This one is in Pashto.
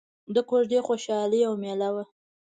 د کوژدې خوشحالي او ميله وه.